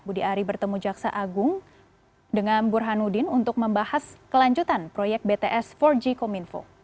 budi ari bertemu jaksa agung dengan burhanuddin untuk membahas kelanjutan proyek bts empat g kominfo